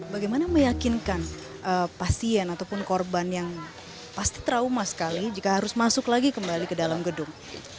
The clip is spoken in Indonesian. bagaimana meyakinkan pasien ataupun korban yang pasti trauma sekali jika harus masuk lagi kembali ke dalam gedung